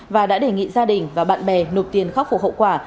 và đã đề nghị gia đình và bạn bè nộp tiền khắc phục hậu quả